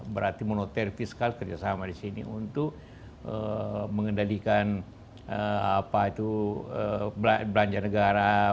berarti moneter fiskal kerjasama di sini untuk mengendalikan belanja negara